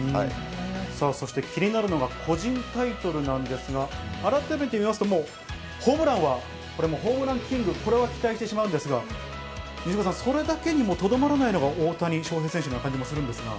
そして気になるのが、個人タイトルなんですが、改めて見ますと、ホームランは、これはもうホームランキング、これは期待してしまうんですが、西岡さん、それだけにとどまらないのが大谷翔平選手な感じもするんですが。